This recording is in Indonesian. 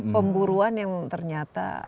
pemburuan yang ternyata